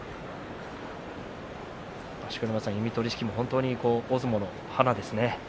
錣山さん、弓取式も大相撲の花ですね。